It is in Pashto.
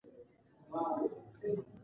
چې نن سبا مونږ د هغو استادانو له برکته